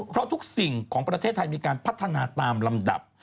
เพราะทุกสิ่งของประเทศไทยมีการพัฒนาตามลำดับ